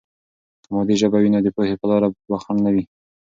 که مادي ژبه وي، نو د پوهې په لاره به خنډ نه وي.